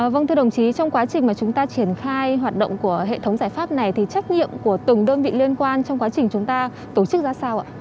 vâng thưa đồng chí trong quá trình mà chúng ta triển khai hoạt động của hệ thống giải pháp này thì trách nhiệm của từng đơn vị liên quan trong quá trình chúng ta tổ chức ra sao ạ